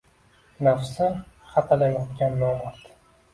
Nafsi hatalak otgan nomard!